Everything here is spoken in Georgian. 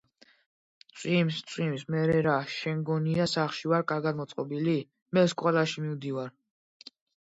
წვიმს წვიმს მერე რა შენ გგონია სახლში ვარ კარგად გამოწყობილი მე სკოლაში მივდივარ